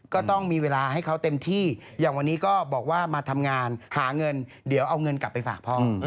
ก็ต้องมีเวลาให้เขาเต็มที่อย่างวันนี้ก็บอกว่ามาทำงานหาเงินเดี๋ยวเอาเงินกลับไปฝากพ่อ